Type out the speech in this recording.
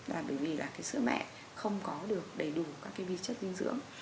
và bởi vì là cái sữa mẹ không có được đầy đủ các cái vi chất dinh dưỡng